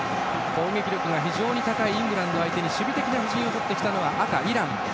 攻撃力が非常に高いイングランドに対して守備的な布陣を取ってきたのが赤のイラン。